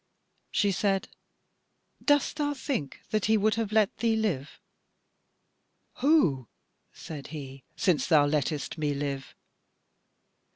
She said: "Dost thou think that he would have let thee live?" "Who," said he, "since thou lettest me live?"